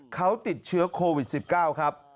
เขาติดเชื้อโควิด๑๙ครับ